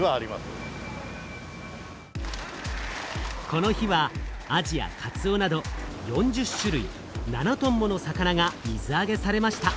この日はアジやカツオなど４０種類７トンもの魚が水あげされました。